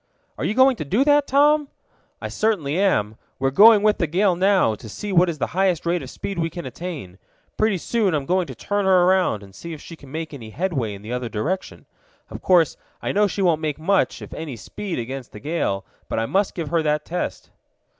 "Are you going to do that, Tom?" "I certainly am. We're going with the gale now, to see what is the highest rate of speed we can attain. Pretty soon I'm going to turn her around, and see if she can make any headway in the other direction. Of course I know she won't make much, if any speed, against the gale; but I must give her that test."